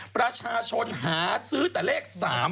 ประชาชนหาซื้อแต่เลข๓